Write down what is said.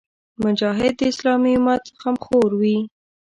مجاهد د اسلامي امت غمخور وي.